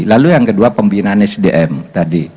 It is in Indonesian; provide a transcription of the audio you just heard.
lalu yang kedua pembinaan sdm tadi